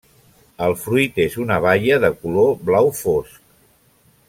El fruit és una baia de color blau fosc.